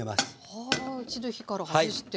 はあ一度火から外して。